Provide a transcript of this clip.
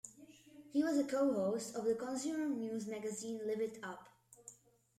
He was a cohost of the consumer newsmagazine Live It Up!